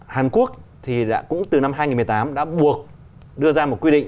hàn quốc thì cũng từ năm hai nghìn một mươi tám đã buộc đưa ra một quy định